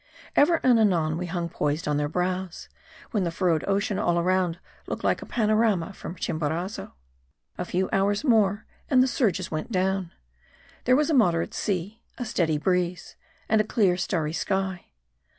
Ever and anon we hung poised on their brows ; when the furrowed ocean all round looked like a panorama from Chimborazo. A few hours more, and the surges went down. There was a moderate sea, a steady breeze, and a clear, starry sky.